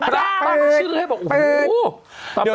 แสดงปิว